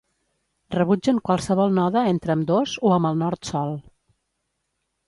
Rebutgen qualsevol node entre ambdós o amb el Nord sol.